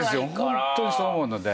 ホントにそう思うので。